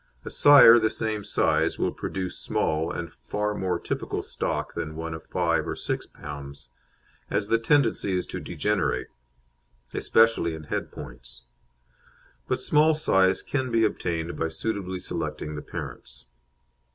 A sire the same size will produce small and far more typical stock than one of 5 lb. or 6 lb., as the tendency is to degenerate, especially in head points; but small size can be obtained by suitably selecting the parents.